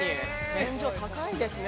天井が高いですね。